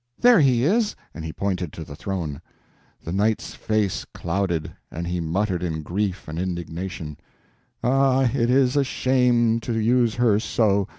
There he is," and he pointed to the throne. The knight's face clouded, and he muttered in grief and indignation: "Ah, it is a shame to use her so.